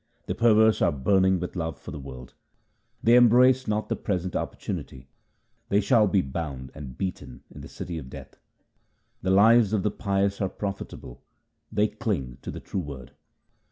The perverse are burning with love for the world : They embrace not the present opportunity ; they shall be bound and beaten in the city of Death. The lives of the pious are profitable ; they cling to. the true Word.